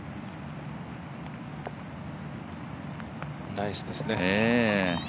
ナイスですね。